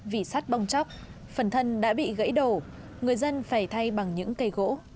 vỉ sắt bong chóc phần thân đã bị gãy đổ người dân phải thay bằng những cây gỗ